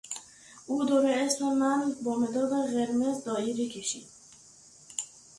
او دور اسم من با مداد قرمز دایره کشید.